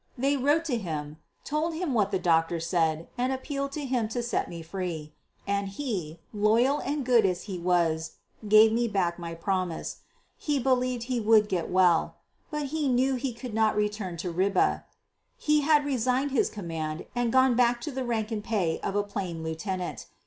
They wrote to him; told him what the doctor said and appealed to him to set me free. And he, loyal and good as he was, gave me back my promise. He believed he would get well. But he knew he could not return to Ribe. He had resigned his command and gone back to the rank and pay of a plain lieutenant.